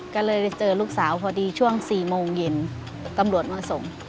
ก็เลยเจอลูกสาวพอดีช่วง๔โมงเย็นตำรวจมาส่ง